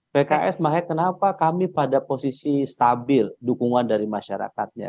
pks mahek kenapa kami pada posisi stabil dukungan dari masyarakatnya